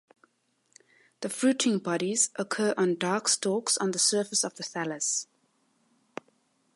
The fruiting bodies occur on dark stalks on the surface of the thallus.